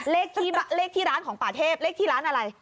เลขที่ร้านของป่าเทพเลขที่ร้านอะไร